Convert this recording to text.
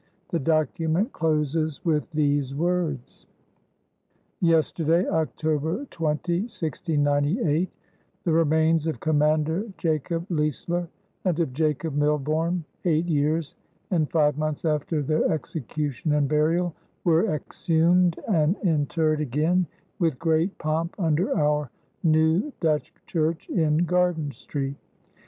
The document closes with these words: Yesterday, October 20, the remains of Commander Jacob Leisler and of Jacob Milborne [eight years and five months after their execution and burial] were exhumed, and interred again with great pomp under our [new] Dutch Church [in Garden Street].